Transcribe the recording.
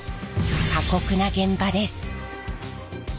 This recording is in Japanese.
過酷な現場です。